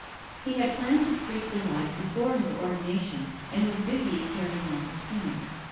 He had planned his priestly life before his ordination, and was busy carrying out the scheme.